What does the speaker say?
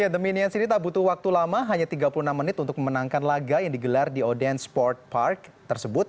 the minions ini tak butuh waktu lama hanya tiga puluh enam menit untuk memenangkan laga yang digelar di oden sport park tersebut